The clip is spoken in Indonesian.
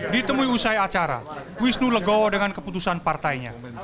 ditemui usai acara wisnu legowo dengan keputusan partainya